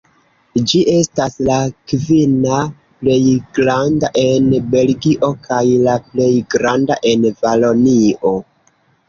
Ĝi estas la kvina plej granda en Belgio kaj la plej granda en Valonio.